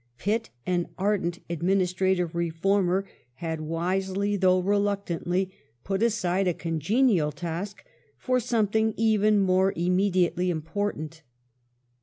Pitt, an ardent administrative reformer, had wisely, though reluctantly, put aside a congenial task for some thing even more immediately important.